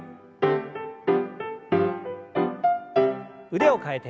腕を替えて。